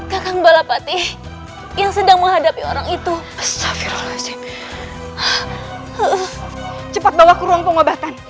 kakak balapati yang sedang menghadapi orang itu cepat bawa ke ruang pengobatan